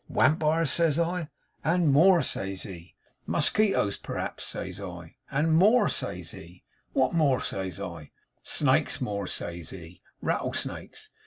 "Wampires?" says I. "And more," says he. "Musquitoes, perhaps?" says I. "And more," says he. "What more?" says I. "Snakes more," says he; "rattle snakes.